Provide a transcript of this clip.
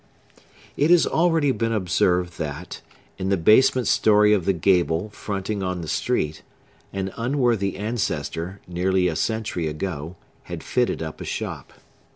It has already been observed, that, in the basement story of the gable fronting on the street, an unworthy ancestor, nearly a century ago, had fitted up a shop.